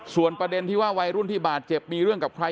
ส่วนประเด็นที่ว่าวัยรุ่นที่บาดเจ็บมีเรื่องกับใคร